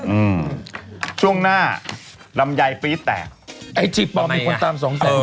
อืมช่วงหน้าลำไยปี๊ดแตกไอจีปลอมมีคนตามสองแสน